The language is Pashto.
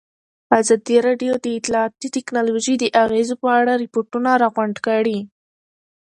ازادي راډیو د اطلاعاتی تکنالوژي د اغېزو په اړه ریپوټونه راغونډ کړي.